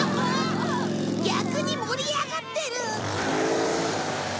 逆に盛り上がってる！